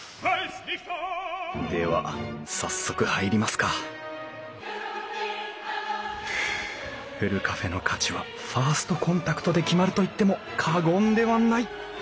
では早速入りますかふるカフェの価値はファーストコンタクトで決まると言っても過言ではない！